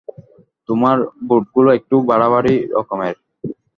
তোমার বুটগুলো একটু বাড়াবাড়ি রকমের।